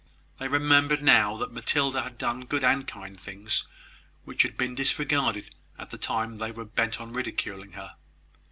They remembered now that Matilda had done good and kind things, which had been disregarded at the time when they were bent on ridiculing her.